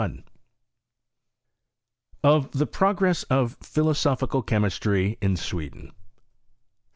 CHAPTER II. OF THE PROGRESS OF PHILOSOPHICAL CHEMISTRY IN SWEDEN.